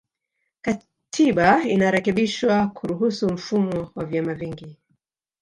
Katiba inarekebishwa kuruhusu mfumo wa vyama vingi